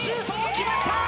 決まった！